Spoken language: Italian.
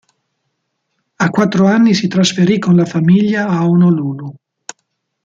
A quattro anni si trasferì con la famiglia a Honolulu.